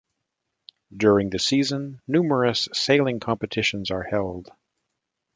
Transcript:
During the season numerous sailing competitions are held.